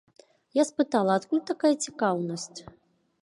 Я спытала, адкуль такая цікаўнасць.